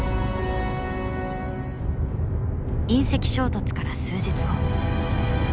隕石衝突から数日後。